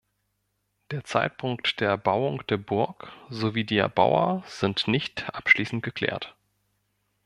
Der Zeitpunkt der Erbauung der Burg sowie die Erbauer sind nicht abschließend geklärt.